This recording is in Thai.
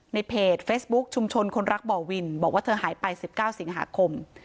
ในเพจเฟซบุ๊คชุมชนคนรักบ่อวินบอกว่าเธอหายไป๑๙สิงหาคม